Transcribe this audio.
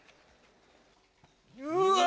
うわ！